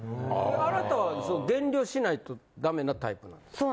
あなたは減量しないとダメなタイプなんですか？